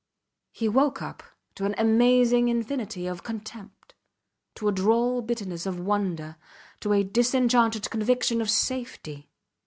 He woke up to an amazing infinity of contempt, to a droll bitterness of wonder, to a disenchanted conviction of safety.